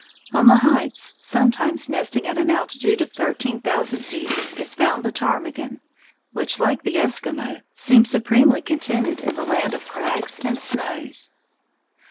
On the heights, sometimes nesting at an altitude of thirteen thousand feet, is found the ptarmigan, which, like the Eskimo, seems supremely contented in the land of crags and snows.